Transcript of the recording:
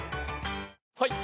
はい。